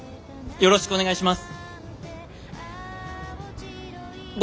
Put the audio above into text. よろしくお願いします！